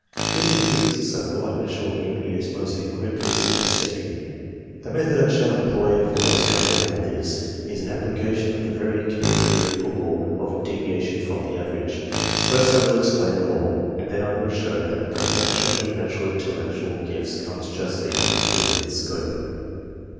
If he thinks so, I can assure him he is most egregiously mistaken. The method I shall employ for discovering all this is an application of the very curious theoretical law of "deviation from an average." First, I will explain ACCORDING TO THEIR NATURAL GIFTS 23 the law, and then I will show that the production of natural intellectual gifts comes justly within its scope.